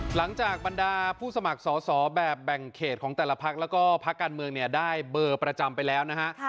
หลังจากบรรดาผู้สมัครสอสอแบบแบ่งเขตของแต่ละพักแล้วก็พักการเมืองเนี่ยได้เบอร์ประจำไปแล้วนะฮะ